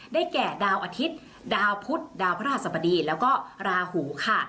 แก่ดาวอาทิตย์ดาวพุทธดาวพระราชสบดีแล้วก็ราหูค่ะ